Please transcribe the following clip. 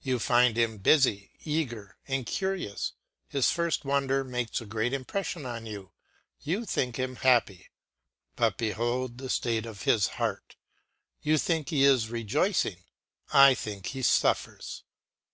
You find him busy, eager, and curious; his first wonder makes a great impression on you; you think him happy; but behold the state of his heart; you think he is rejoicing, I think he suffers.